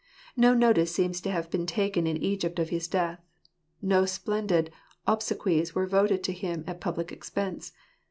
No notice seems to have been taken in Egypt of his death. No splendid obsequies were voted to him at public expense.